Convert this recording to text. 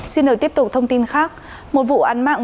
xin được tiếp tục thông tin khác